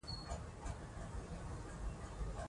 که همسایه وپالو نو یوازې نه پاتې کیږو.